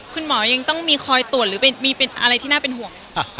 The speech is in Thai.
คุณหมอยังต้องมีคอยตรวจหรือมีเป็นอะไรที่น่าเป็นห่วง